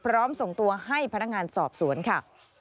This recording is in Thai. ส่งตัวให้พนักงานสอบสวนค่ะ